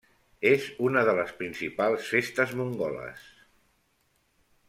És una de les principals festes mongoles.